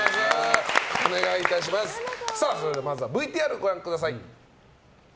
まずはＶＴＲご覧ください。